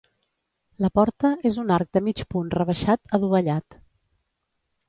La porta és un arc de mig punt rebaixat adovellat.